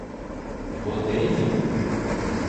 Вот этим?